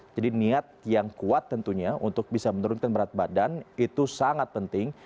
jadi niat yang kuat tentunya untuk bisa menurunkan berat badan itu sangat penting